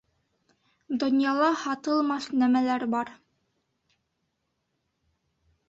Донъяла һатылмаҫ нәмәләр бар!